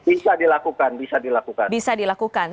bisa dilakukan bisa dilakukan